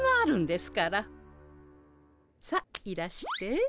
さあいらして。